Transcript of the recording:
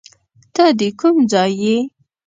ته د کوم ځای یې؟